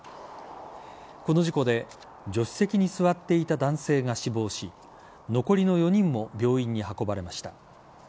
この事故で助手席に座っていた男性が死亡し残りの４人も病院に運ばれました。